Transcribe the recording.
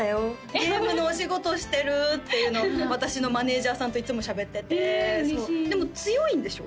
ゲームのお仕事してるっていうのを私のマネージャーさんといつもしゃべっててへえ嬉しいでも強いんでしょ？